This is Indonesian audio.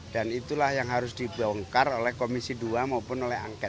dan itulah yang harus dibongkar oleh komisi dua maupun oleh angket